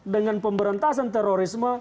dengan pemberantasan terorisme